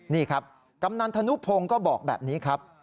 นี่ครับกำนันธนุพงศ์ก็บอกแบบนี้ครับ